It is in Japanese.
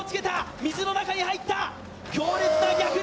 水の中に入った、強烈な逆流。